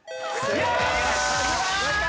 正解！